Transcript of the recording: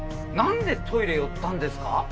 何でトイレ寄ったんですか？